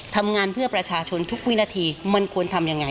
ทำงานเพื่อประชาชนทุกวินาทีมันควรทำยังไง